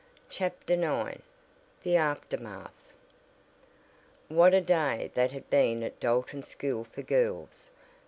CHAPTER IX THE AFTERMATH What a day that had been at the Dalton School for girls!